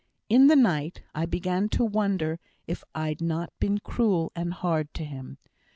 In the night, I began to wonder if I'd not been cruel and hard to him.